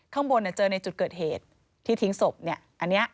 ข้างบนเจอในจุดเกิดเหตุที่ทิ้งศพเนี่ยอันนี้